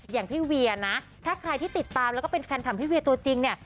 อย่างพี่เวียนะถ้าใครที่ติดตามแล้วก็เป็นแฟนคลับพี่เวียตัวจริงเนี่ย